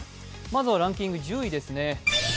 まずはランキング１０位ですね。